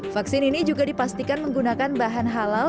vaksin ini juga dipastikan menggunakan bahan halal